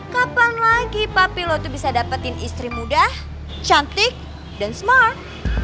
kapan lagi pak pilot itu bisa dapetin istri muda cantik dan smart